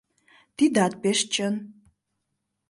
— Тидат пеш чын.